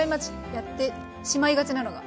やってしまいがちなのが。